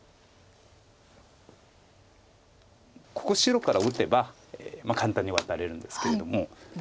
ここ白から打てば簡単にワタれるんですけれども。